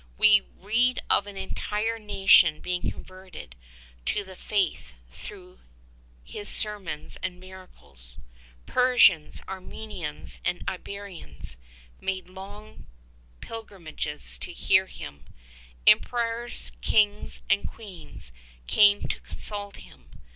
We read of an entire nation being converted to the Faith through his sermons and miracles. Persians, Armenians, and Iberians, made long pilgrimages to hear him : emperors, kings and queens came to consult him.